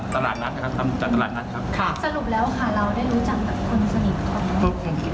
ตลาดนัดนะครับทำจากตลาดนัดครับค่ะสรุปแล้วค่ะเราได้รู้จักกับคนสนิทก่อน